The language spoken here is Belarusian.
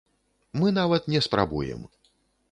Мы нават не спрабуем.